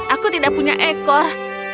aku tidak punya ekor